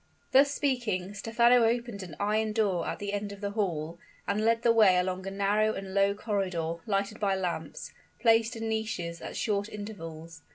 Thus speaking Stephano opened an iron door at the end of the hall, and led the way along a narrow and low corridor, lighted by lamps placed in niches at short intervals.